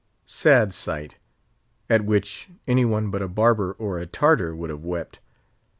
Sad sight! at which any one but a barber or a Tartar would have wept!